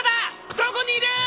どこにいる！？